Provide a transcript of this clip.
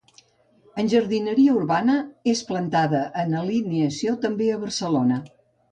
En jardineria urbana és plantada en alineació, també a Barcelona.